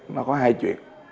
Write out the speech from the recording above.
nó có hai chuyện